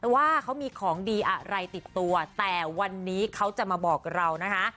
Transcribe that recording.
ว่าเขามีของดีอะไรติดตัวแต่วันนี้เขาจะมาบอกเรานะคะ